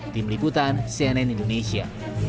tim liputan cnn indonesia